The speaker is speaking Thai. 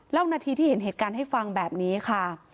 นาทีที่เห็นเหตุการณ์ให้ฟังแบบนี้ค่ะ